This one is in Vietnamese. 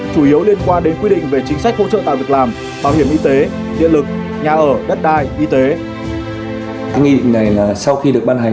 chủ yếu liên quan đến quy định về chính sách